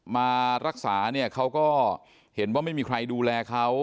มารักษาเนี่ยเขาก็เห็นว่าไม่มีใครดูแลเขา